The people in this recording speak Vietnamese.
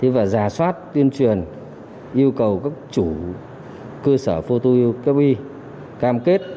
và giả soát tuyên truyền yêu cầu các chủ cơ sở phô tuyên truyền cam kết